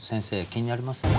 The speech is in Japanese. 気になりません？